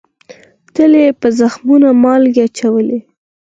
تل یې په زخمونو مالگې اچولې